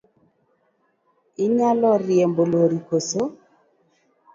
Inyalo riembo lori koso?